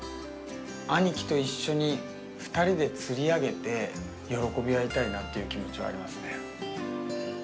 兄貴と一緒に２人で釣り上げて喜び合いたいなという気持ちはありますね。